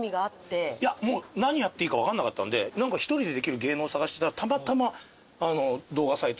いやもう何やっていいか分かんなかったんで１人でできる芸能を探してたら。